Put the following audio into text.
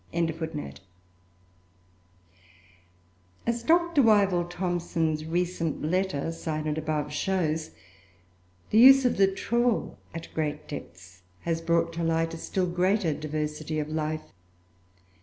"] As Dr. Wyville Thomson's recent letter, cited above, shows, the use of the trawl, at great depths, has brought to light a still greater diversity of life.